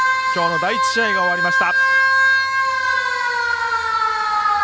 今日の第１試合が終わりました。